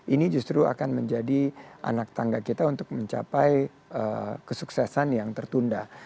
ini justru akan menjadi anak tangga kita untuk mencapai kesuksesan yang tertunda